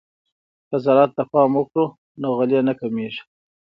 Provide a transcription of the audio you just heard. که زراعت ته پام وکړو نو غلې نه کمیږي.